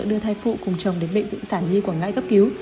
đưa thai phụ cùng chồng đến bệnh viện sản nhi quảng ngãi cấp cứu